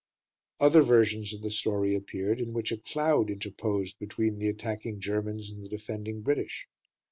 Other versions of the story appeared in which a cloud interposed between the attacking Germans and the defending British.